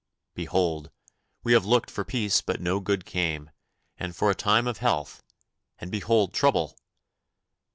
Behold, we have looked for peace but no good came, and for a time of health, and behold trouble!